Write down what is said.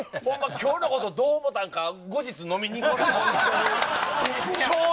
今日のこと、どう思うたか後日、飲みに行こ。